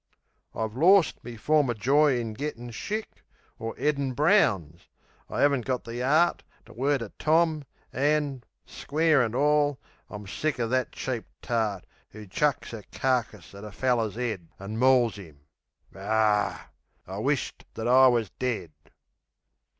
I've lorst me former joy in gettin' shick, Or 'eadin' browns; I 'aven't got the 'eart To word a tom; an', square an' all, I'm sick of that cheap tart 'Oo chucks 'er carkis at a feller's 'ead An' mauls 'im...Ar! I wish't that I wus dead!...